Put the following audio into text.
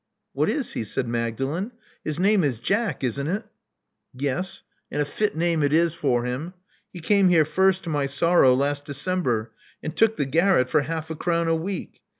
What is he?" said Magdalen. His name is Jack," isn't it?" Yes; and a fit name it is for him. He came here first, to my sorrow, last December, and took the garret for half a crown a week.